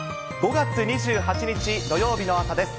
５月２８日土曜日の朝です。